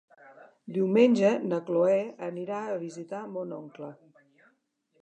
Diumenge na Cloè anirà a visitar mon oncle.